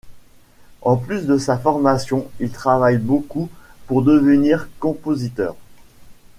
En plus de sa formation, il travaille beaucoup pour devenir compositeur.